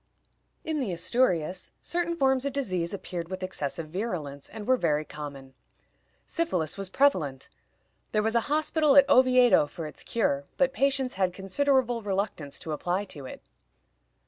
In the Asturias certain forms of disease appeared with excessive virulence, and were very common. Syphilis was prevalent. There was a hospital at Oviedo for its cure, but patients had considerable reluctance to apply to it.